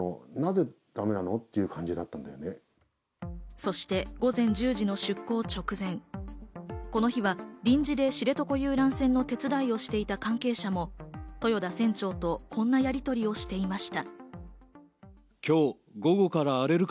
そして午前１０時の出港直前、この日は臨時で知床遊覧船の手伝いをしていた関係者も豊田船長とこんなやりとりをしていました。